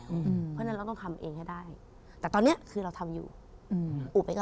เพราะฉะนั้นเราต้องทำเองให้ได้แต่ตอนเนี้ยคือเราทำอยู่อืมอุบเองก็